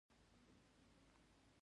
یاره مهربانه راسه